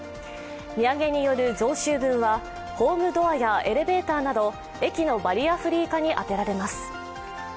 値上げによる増収分はホームドアやエレベーターなど駅のバリアフリー化に充てられます。